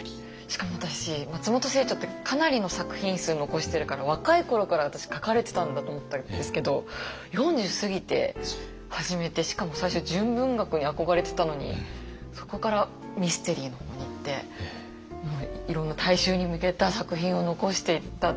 しかも私松本清張ってかなりの作品数残してるから若い頃から私書かれてたんだと思ったんですけど４０過ぎて始めてしかも最初純文学に憧れてたのにそこからミステリーの方にいっていろんな大衆に向けた作品を残していった。